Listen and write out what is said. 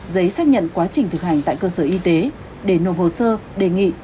giấy xác nhận quá trình thực hành tại cơ sở y tế để nộp hồ sơ đề nghị